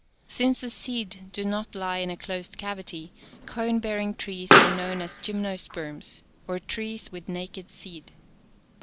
Since the seed do not lie in a closed cavity, cone bearing trees are known as Gymnosperms, or trees with naked seed.